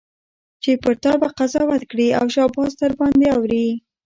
چي پر تا به قضاوت کړي او شاباس درباندي اوري